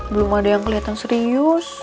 belum ada yang kelihatan serius